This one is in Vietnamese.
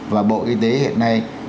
và bộ y tế hiện nay